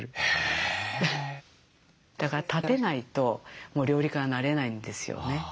だから立てないともう料理家になれないんですよね。